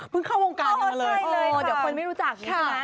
เดี๋ยวคนไม่รู้จัก